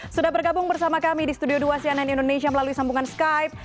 sudah bergabung bersama kami di studio dua cnn indonesia melalui sambungan skype